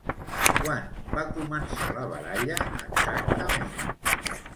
Quan va començar la baralla exactament?